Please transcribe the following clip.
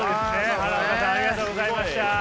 花岡さんありがとうございました。